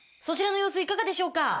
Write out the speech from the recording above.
そちらの様子いかがでしょうか？